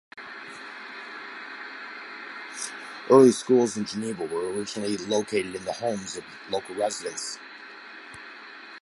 Early schools in Geneva were originally located in the homes of local residents.